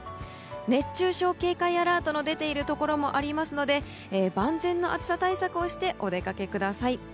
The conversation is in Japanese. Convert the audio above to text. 熱中症警戒アラートが出ているところもありますので万全の暑さ対策をしてお出かけください。